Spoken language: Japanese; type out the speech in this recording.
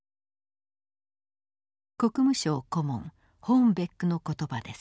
国務省顧問ホーンベックの言葉です。